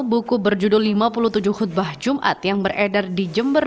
buku berjudul lima puluh tujuh khutbah jumat yang beredar di jember